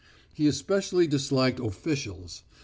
He especially disliked officials.